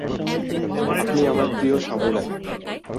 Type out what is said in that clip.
আপনি আমার প্রিয় সামুরাই!